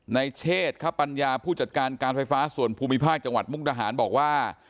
เชษคปัญญาผู้จัดการการไฟฟ้าส่วนภูมิภาคจังหวัดมุกดาหารบอกว่า